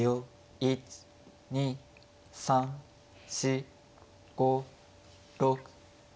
１２３４５６７。